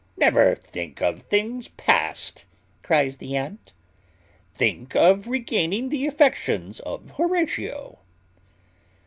"Never think of things past," cries the aunt: "think of regaining the affections of Horatio."